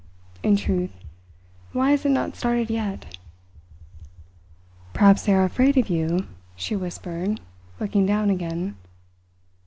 In truth, why has it not started yet?" "Perhaps they are afraid of you," she whispered, looking down again.